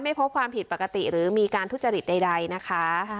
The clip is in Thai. พบความผิดปกติหรือมีการทุจริตใดนะคะ